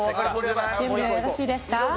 準備はよろしいですか？